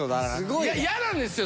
嫌なんですよ